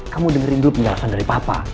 kamu dengerin dulu penggalakan dari papa